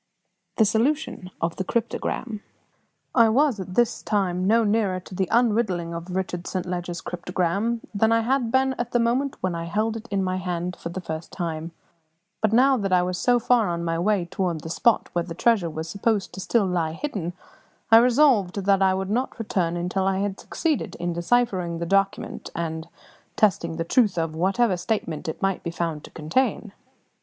THE SOLUTION OF THE CRYPTOGRAM. I was at this time no nearer to the unriddling of Richard Saint Leger's cryptogram than I had been at the moment when I held it in my hand for the first time; but now that I was so far on my way toward the spot where the treasure was supposed to still lie hidden, I resolved that I would not return until I had succeeded in deciphering the document and testing the truth of whatever statement it might be found to contain.